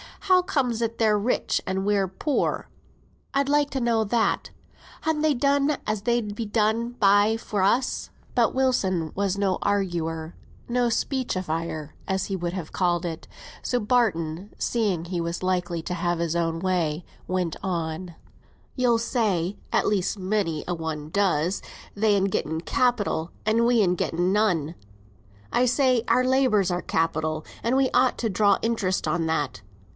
How comes it they're rich, and we're poor? I'd like to know that. Han they done as they'd be done by for us?" But Wilson was no arguer; no speechifier as he would have called it. So Barton, seeing he was likely to have it his own way, went on. "You'll say (at least many a one does), they'n getten capital an' we'n getten none. I say, our labour's our capital and we ought to draw interest on that.